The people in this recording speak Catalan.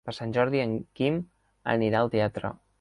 Per Sant Jordi en Quim anirà al teatre.